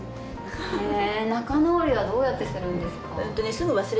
へ仲直りはどうやってするんですか？